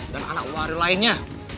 dan anak wario lainnya